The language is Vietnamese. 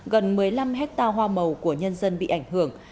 gần một mươi năm hectare hoa màu của nhân dân bị ảnh hưởng